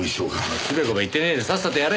つべこべ言ってねえでさっさとやれ。